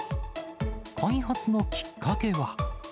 開発のきっかけは。